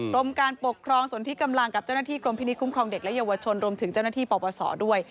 กรมการปกครองส่วนที่กำลังกับเจ้าหน้าที่กรมพินิษฐคุ้มครองเด็กและเยาวชนรวมถึงเจ้าหน้าที่ปปศด้วย